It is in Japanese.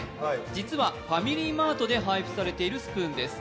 実はファミリーマートで配布されているスプーンです。